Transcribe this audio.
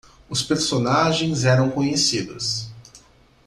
Os personagens eram conhecidos.